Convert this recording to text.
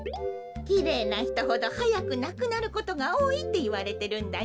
きれいなひとほどはやくなくなることがおおいっていわれてるんだよ。